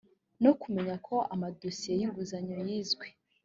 no kumenya ko amadosiye y’inguzanyo yizwe